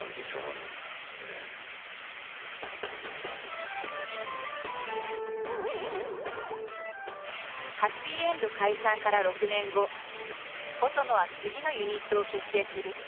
えんど解散から６年後細野は次のユニットを結成する。